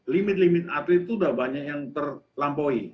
limit limit atlet itu sudah banyak yang terlampaui